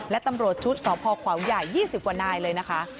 และตำรวจชุดสพขวาวใหญ่๒๐กว่านายเลยนะคะ